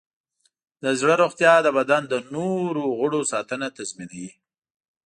د زړه روغتیا د بدن د نور غړو ساتنه تضمینوي.